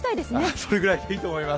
それぐらいがいいと思います。